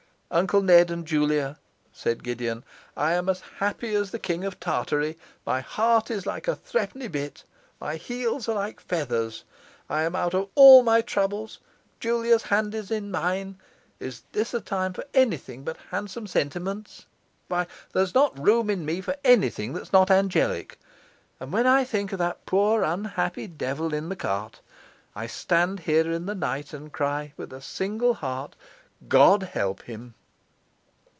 'Uncle Ned and Julia,' said Gideon, 'I am as happy as the King of Tartary, my heart is like a threepenny bit, my heels are like feathers; I am out of all my troubles, Julia's hand is in mine. Is this a time for anything but handsome sentiments? Why, there's not room in me for anything that's not angelic! And when I think of that poor unhappy devil in the cart, I stand here in the night and cry with a single heart God help him!